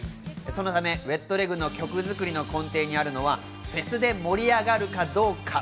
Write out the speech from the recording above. そのため、ＷｅｔＬｅｇの曲作りの根底にあるのはフェスで盛り上がるかどうか。